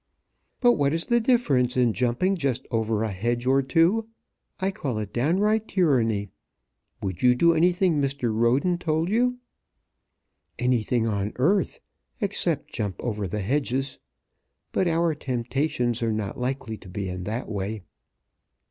"But what is the difference in jumping just over a hedge or two? I call it downright tyranny. Would you do anything Mr. Roden told you?" "Anything on earth, except jump over the hedges. But our temptations are not likely to be in that way."